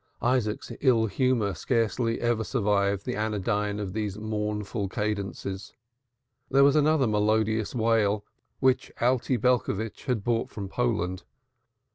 Isaac's ill humor scarcely ever survived the anodyne of these mournful cadences. There was another melodious wail which Alte Belcovitch had brought from Poland.